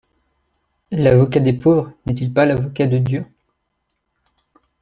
L'avocat des pauvres n'est-il pas l'avocat de Dieu?